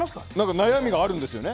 悩みがあるんですよね。